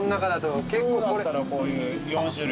今日だったらこういう４種類。